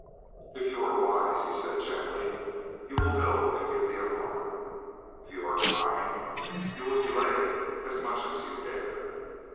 "If you are wise," he said gently, "you will go and give the alarm. If you are kind, you will delay it as much as you dare."